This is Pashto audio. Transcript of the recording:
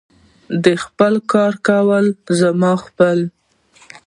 دی خپل کار کوي، زه خپل.